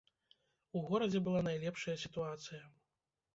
У горадзе была найлепшая сітуацыя.